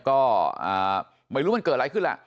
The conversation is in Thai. ก็ไม่รู้มันเกิดอะไรขึ้นล่ะ